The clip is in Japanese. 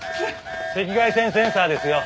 赤外線センサーですよ。